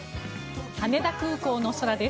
羽田空港の空です。